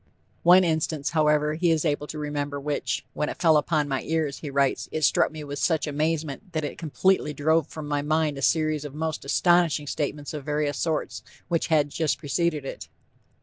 One instance, however, he is able to remember which "when it fell upon my ears," he writes, "it struck me with such amazement, that it completely drove from my mind a series of most astonishing statements of various sorts which had just preceded it."